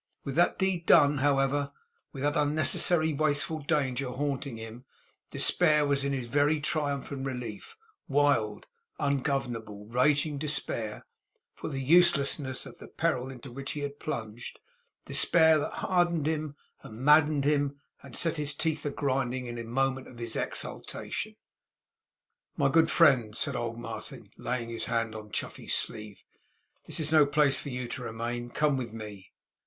With that deed done, however; with that unnecessary wasteful danger haunting him; despair was in his very triumph and relief; wild, ungovernable, raging despair, for the uselessness of the peril into which he had plunged; despair that hardened him and maddened him, and set his teeth a grinding in a moment of his exultation. 'My good friend!' said old Martin, laying his hand on Chuffey's sleeve. 'This is no place for you to remain in. Come with me.